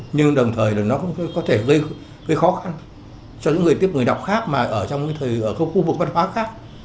nhưng đồng thời là nó cũng có thể gây khó khăn cho những người tiếp người đọc khác mà ở trong khu vực văn hóa khác